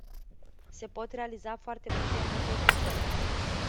Se pot realiza foarte multe în acest sens.